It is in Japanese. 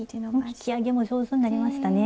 引き上げも上手になりましたね。